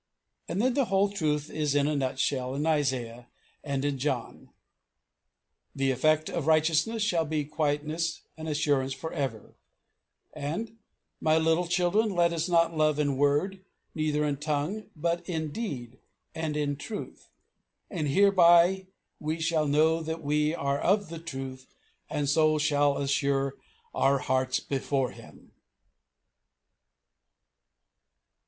And then the whole truth is in a nutshell in Isaiah and in John: "The effect of righteousness shall be quietness and assurance for ever," and "My little children, let us not love in word, neither in tongue, but in deed and in truth. And hereby we shall know that we are of the truth, and so shall assure our hearts before Him."